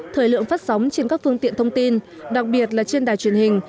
thời lượng phát sóng trên các phương tiện thông tin đặc biệt là trên đài truyền hình